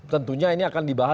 tentunya ini akan dibahas